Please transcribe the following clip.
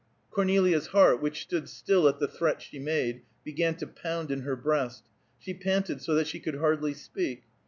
Cornelia's heart, which stood still at the threat she made, began to pound in her breast. She panted so that she could hardly speak.